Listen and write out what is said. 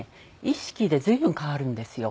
意識で随分変わるんですよ。